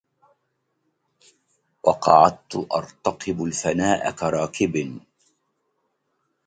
وقعدت أرتقب الفناء كراكب